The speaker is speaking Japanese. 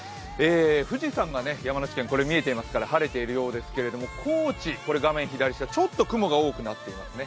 富士山が山梨県は見えていますから晴れているようですけれども、高知、画面左下雲が多くなっていますね。